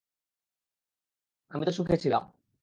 আমি তো সুখে ছিলাম।